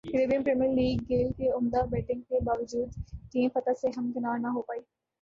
Caribbean Premier League Gayle کی عمدہ batting کے باوجود ٹیم فتح سے ہمکنار نہ ہو پائی